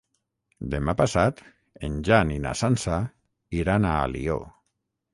Demà passat en Jan i na Sança iran a Alió.